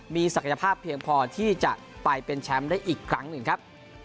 มีศักยภาพเพียงพอที่จะไปเป็นแชมป์ได้อีกครั้งหนึ่งครับ